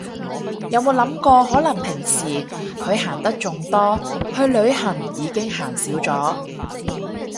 有冇諗過可能平時佢行得仲多，去旅行已經行少咗